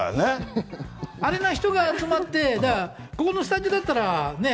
アレな人が集まって、だから、ここのスタジオだったら。